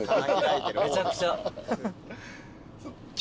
めちゃくちゃ。